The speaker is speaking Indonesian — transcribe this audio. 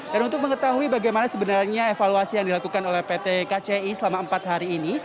dan untuk mengetahui bagaimana sebenarnya evaluasi yang dilakukan oleh pt kci selama empat hari ini